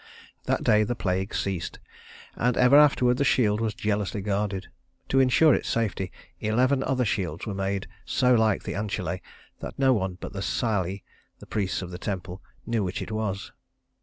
That day the plague ceased, and ever afterward the shield was jealously guarded. To insure its safety, eleven other shields were made so like the Ancile that no one but the Salii, the priests of the temple, knew which it was.